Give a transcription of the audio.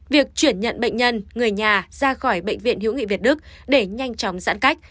việc chuyển nhận bệnh nhân người nhà ra khỏi bệnh viện hữu nghị việt đức để nhanh chóng giãn cách